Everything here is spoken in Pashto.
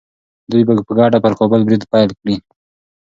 دوی به په ګډه پر کابل برید پیل کړي.